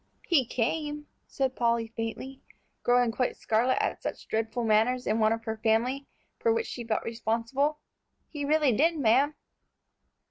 "He came," said Polly, faintly, growing quite scarlet at such dreadful manners in one of her family, for which she felt responsible. "He really did, ma'am."